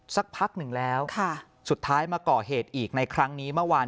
สักพักหนึ่งแล้วสุดท้ายมาก่อเหตุอีกในครั้งนี้เมื่อวาน